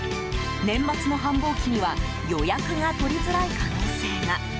年末の繁忙期には予約が取りづらい可能性が。